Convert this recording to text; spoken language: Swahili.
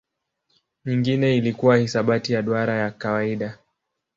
Nyingine ilikuwa hisabati ya duara ya kawaida.